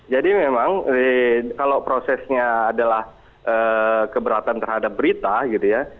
jadi memang kalau prosesnya adalah keberatan terhadap berita gitu ya